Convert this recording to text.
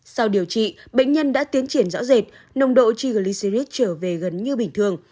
sau điều trị bệnh nhân đã tiến triển rõ rệt nồng độ triglicirit trở về gần như bình thường